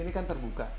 ini kan terbuka